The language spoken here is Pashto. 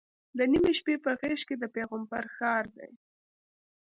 د نیمې شپې په غېږ کې د پیغمبر ښار دی.